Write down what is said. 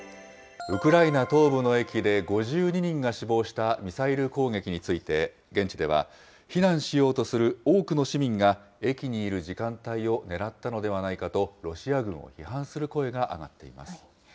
ウクライナ東部の駅で５２人が死亡したミサイル攻撃について、現地では、避難しようとする多くの市民が駅にいる時間帯を狙ったのではないかと、ロシア軍を批判する声が上がっています。